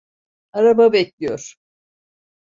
Araba bekliyor.